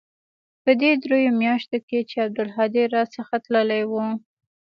په دې درېو مياشتو کښې چې عبدالهادي را څخه تللى و.